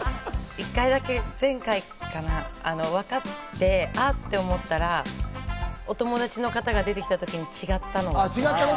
１回だけ、前回かな、分かって、あって思ったら、お友達の方が出てきたときに違ったの。